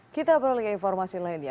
kita beralih ke informasi lainnya